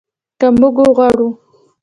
که موږ وغواړو.